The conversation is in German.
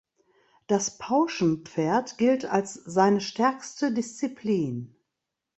Das Pauschenpferd gilt als seine stärkste Disziplin.